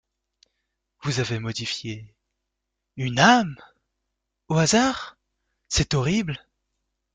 Vous avez modifié… une âme! au hasard? c’est horrible !